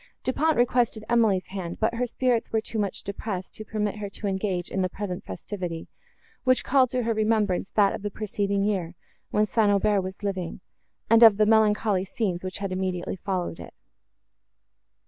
Du Pont requested Emily's hand, but her spirits were too much depressed, to permit her to engage in the present festivity, which called to her remembrance that of the preceding year, when St. Aubert was living, and of the melancholy scenes, which had immediately followed it.